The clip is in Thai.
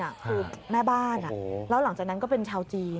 คือแม่บ้านแล้วหลังจากนั้นก็เป็นชาวจีน